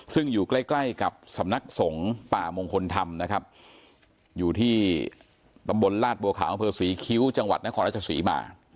ซึ่งอยู่ใกล้ใกล้กับสำนักสงฆ์ป่ามงคลธรรมนะครับอยู่ที่ตำบลลาดบัวขาวอำเภอศรีคิ้วจังหวัดนครราชศรีมา